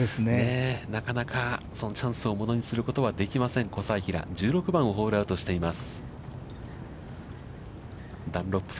なかなかそのチャンスをものにすることはできません、小斉平、１６番をホールアウトしています。